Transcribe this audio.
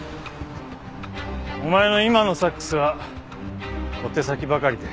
お前の今のサックスは小手先ばかりで全然響かねえ。